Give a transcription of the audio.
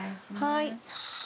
はい。